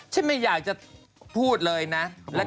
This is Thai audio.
ไม่อยากจะพูดเลยนะ